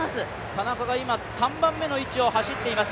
田中が今、３番目の位置を走っています。